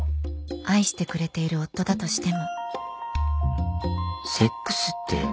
愛してくれている夫だとしても。